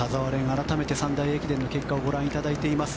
改めて三大駅伝の結果をご覧いただいています。